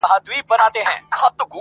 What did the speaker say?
ورو په ورو د دام پر لوري ور روان سو -